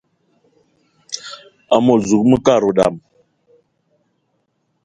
Amot zuga mekad wa dam: